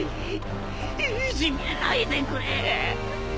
いじめないでくれぇ。